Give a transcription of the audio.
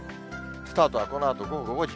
スタートはこのあと午後５時。